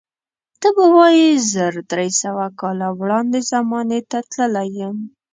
ته به وایې زر درې سوه کاله وړاندې زمانې ته تللی یم.